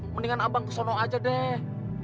mendingan abang kesana aja deh